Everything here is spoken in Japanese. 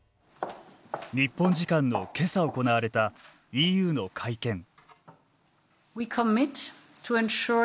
日本時間の今朝行われたＥＵの会見。